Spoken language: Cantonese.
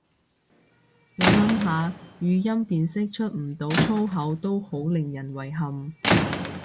諗諗下語音辨識出唔到粗口都好令人遺憾